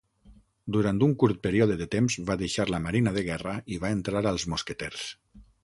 Durant un curt període de temps va deixar la marina de guerra i va entrar als mosqueters.